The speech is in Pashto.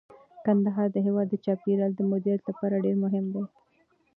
کندهار د هیواد د چاپیریال د مدیریت لپاره ډیر مهم دی.